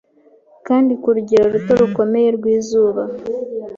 kandi ku rugero ruto rukomeye rw'izuba